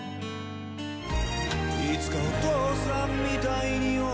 「いつかお父さんみたいに大きな」